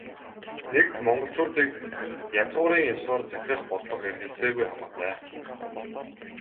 Нэгд, монголчуудыг язгуурын ёсоор захирах бодлого эргэлзээгүй хамаатай.